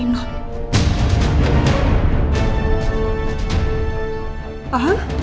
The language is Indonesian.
ini nolongan pake dj handsome